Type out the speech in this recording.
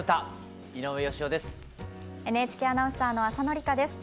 ＮＨＫアナウンサーの浅野里香です。